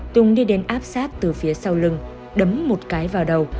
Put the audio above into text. tùng đi đến áp sát từ phía sau lưng đấm một cái vào đầu